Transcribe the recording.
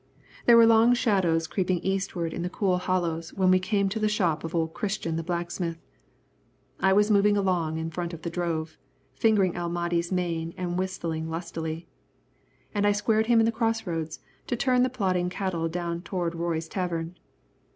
There were long shadows creeping eastward in the cool hollows when we came to the shop of old Christian the blacksmith. I was moving along in front of the drove, fingering El Mahdi's mane and whistling lustily, and I squared him in the crossroads to turn the plodding cattle down toward Roy's tavern.